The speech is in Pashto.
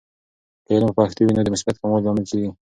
که علم په پښتو وي، نو د مصیبت د کموالي لامل کیږي.